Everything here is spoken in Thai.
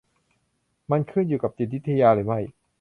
มันขึ้นอยู่กับจิตวิทยาหรือไม่ ?